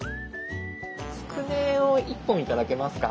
つくねを１本頂けますか？